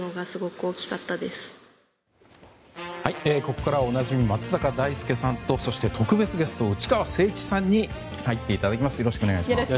ここからはおなじみ、松坂大輔さんとそして特別ゲスト内川聖一さんに入っていただきます。